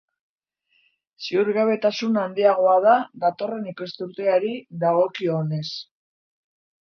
Ziurgabetasuna handiagoa da datorren ikasturteari dagokionez.